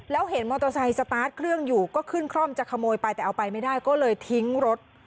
แล้วเห็นมอเตอร์ไซค์สตาร์ทเครื่องอยู่ก็ขึ้นคร่อมจะขโมยไปแต่เอาไปไม่ได้ก็เลยทิ้งรถ